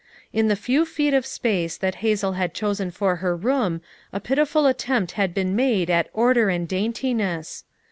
In the few feet of space that Hazel had chosen for her room a pitiful attempt had been made at order and daintiness.